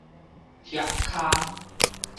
額腳